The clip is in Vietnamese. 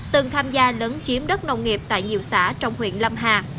từng tham gia lấn chiếm đất nông nghiệp tại nhiều xã trong huyện lâm hà